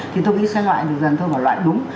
thì tôi nghĩ sẽ loại được dần thôi mà loại đúng